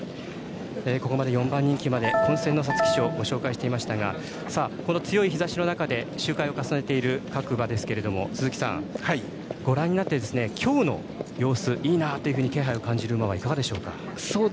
ここまで４番人気まで混戦の皐月賞をご覧いただいていますがこの強い日ざしの中で周回を重ねている各馬ですが、鈴木さんご覧になって今日の様子、いいなというような気配を感じる馬いかがでしょうか？